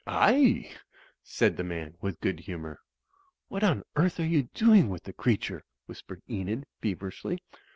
"Aye," said the man, with good humour. "What on earth are you doing with the creature?" whispered Enid, feverishly.